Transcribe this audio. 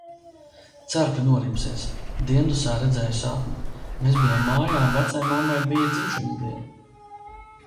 Ceru, ka norimsies. Diendusā redzēju sapni. Mēs bijām mājā un vecaimammai bija dzimšanas diena.